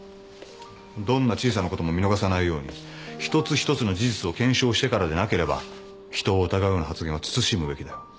どんな小さなことも見逃さないように一つ一つの事実を検証してからでなければ人を疑うような発言は慎むべきだよ。